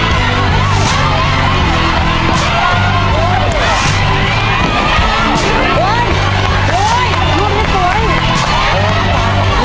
เก่งมากจังหวะได้แล้ว